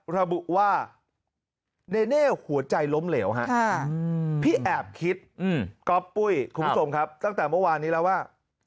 ระบุว่าเนเน่หัวใจล้มเหลวฮะพี่แอบคิดก๊อปปุ้ยคุณผู้ชมครับตั้งแต่เมื่อวานนี้แล้วว่า